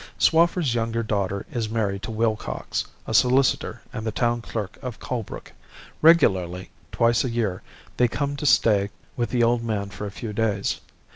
"Swaffer's younger daughter is married to Willcox, a solicitor and the Town Clerk of Colebrook. Regularly twice a year they come to stay with the old man for a few days.